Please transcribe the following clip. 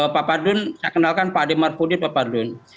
pak padun saya kenalkan pak ade marfudin pak padun